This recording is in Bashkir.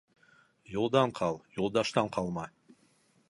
Юлдан ҡал, юлдаштан ҡалма.